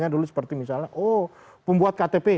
dulu seperti misalnya oh pembuat ktp